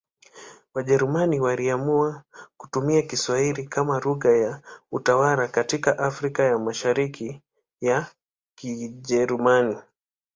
Wajerumani waliamua kutumia Kiswahili kama lugha ya utawala katika Afrika ya Mashariki ya Kijerumani.